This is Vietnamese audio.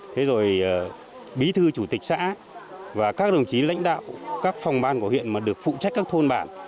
thế rồi bí thư chủ tịch xã và các đồng chí lãnh đạo các phòng ban của huyện mà được phụ trách các thôn bản